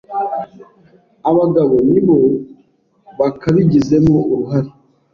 Abagabo nibo bakabigizemo uruhare